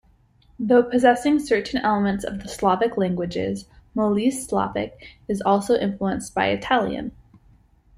Though possessing certain elements of Slavic languages, Molise Slavic is also influenced by Italian.